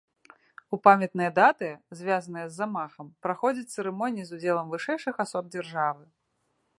У памятныя даты, звязаныя з замахам, праходзяць цырымоніі з удзелам вышэйшых асоб дзяржавы.